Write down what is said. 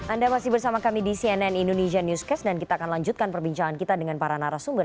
anda masih bersama kami di cnn indonesia newscast dan kita akan lanjutkan perbincangan kita dengan para narasumber